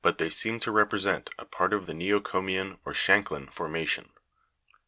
they seem to represent a part of the neocomian (or Shanklin) for mation.